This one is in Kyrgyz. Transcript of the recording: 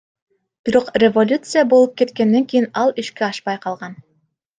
Бирок революция болуп кеткенден кийин ал ишке ашпай калган.